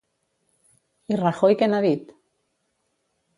I Rajoy què n'ha dit?